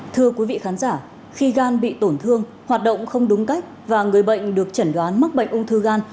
thưa quý vị khán giả khi gan bị tổn thương hoạt động không đúng cách và người bệnh được chẩn đoán mắc bệnh ung thư gan